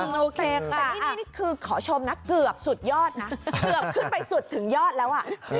แต่นี่คือขอชมนะเกือบสุดยอดนะเกือบขึ้นไปสุดถึงยอดแล้วอ่ะ